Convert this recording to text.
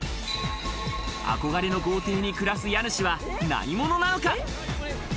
憧れの豪邸に暮らす家主は何者なのか？